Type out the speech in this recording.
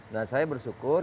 nah saya bersyukur